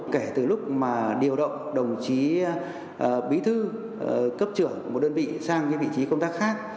kể từ lúc mà điều động đồng chí bí thư cấp trưởng một đơn vị sang cái vị trí công tác khác